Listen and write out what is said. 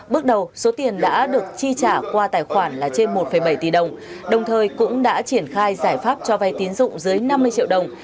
bước đầu số tiền đã được chi trả qua tài khoản là trên một bảy tỷ đồng đồng thời cũng đã triển khai giải pháp cho vay tiến dụng dưới năm mươi triệu đồng